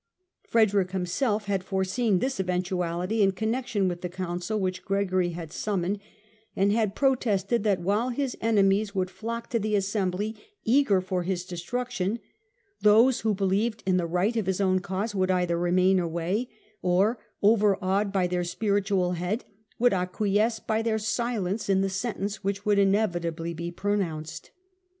Frederick himself had foreseen this eventuality in con nection with the Council which Gregory had summoned, and had protested that, while his enemies would flock to the assembly eager for his destruction, those who believed in the right of his own cause would either remain away or, overawed by their spiritual head, would acquiesce by their silence in the sentence which would inevitably be pronounced.